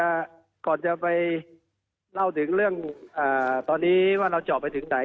ก่อนจะไปเล่าถึงเรื่องอ่าตอนนี้ว่าเราเจาะไปถึงไหน